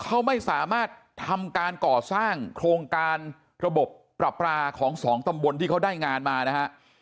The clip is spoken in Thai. เขาไม่สามารถทำการก่อสร้างโครงการระบบปรับปราของสองตำบลที่เขาได้งานมานะฮะ